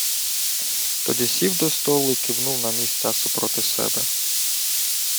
Тоді сів до столу й кивнув на місця супроти себе.